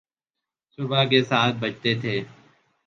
صبح کے سات بجتے تھے۔